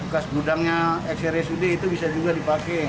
kas gudangnya x rsud itu bisa juga dipakai